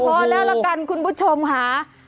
พอแล้วละกันคุณผู้ชมค่ะ